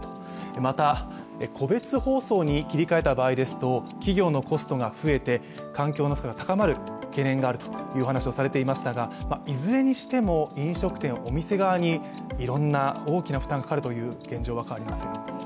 また、個別包装に切り替えた場合ですと企業のコストが増えて、環境の負荷が高まる懸念が高まるという話をされていましたがいずれにしても、飲食店お店側にいろんな大きな負担がかかるという現状は変わりません。